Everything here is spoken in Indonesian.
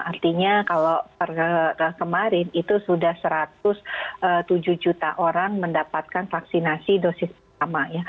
artinya kalau kemarin itu sudah satu ratus tujuh juta orang mendapatkan vaksinasi dosis pertama